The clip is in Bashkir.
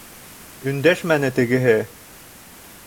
Өндәшмәне тегеһе.